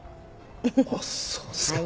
あっそうですか。